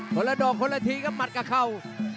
ขอละดองขอละทีก็หมัดกับเข่า